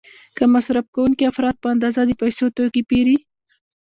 کم مصرفوونکي افراد په اندازه د پیسو توکي پیري.